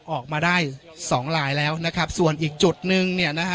ออกมาได้สองลายแล้วนะครับส่วนอีกจุดนึงเนี่ยนะฮะ